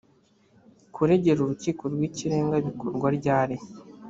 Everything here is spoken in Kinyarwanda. kuregera urukiko rw’ikirenga bikorwa ryari?